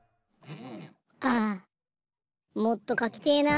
ああもっとかきてえな。